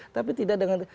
tapi tidak dengan